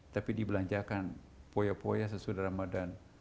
tapi dibelanjakan poya poya sesudah ramadan